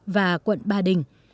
và quận ba đình